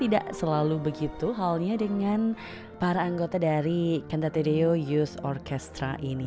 tidak selalu begitu halnya dengan para anggota dari cantate deus youth orchestra ini